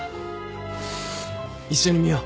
一緒に見よう